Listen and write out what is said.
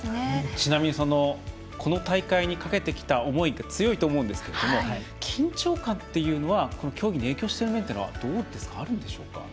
ちなみにこの大会にかけてきた思いが強いと思うんですが緊張感というのは競技に影響している面はあるでしょうか。